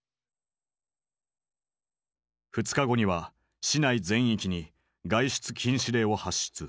２日後には市内全域に外出禁止令を発出。